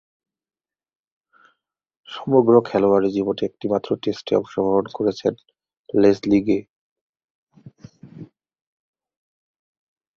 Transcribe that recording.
সমগ্র খেলোয়াড়ী জীবনে একটিমাত্র টেস্টে অংশগ্রহণ করেছেন লেসলি গে।